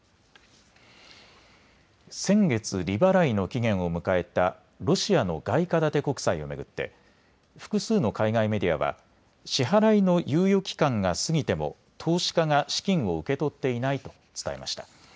先月、利払いの期限を迎えたロシアの外貨建て国債を巡って複数の海外メディアは支払いの猶予期間が過ぎても投資家が資金を受け取っていないと伝えました。